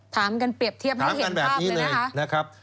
ถามกันเปรียบเทียบให้เห็นภาพเลยนะคะ